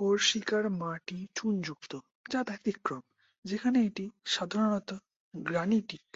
কর্সিকার মাটি চুনযুক্ত, যা ব্যতিক্রম, যেখানে এটি সাধারণত গ্রানিটিক।